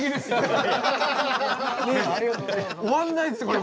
終わんないですよこれ。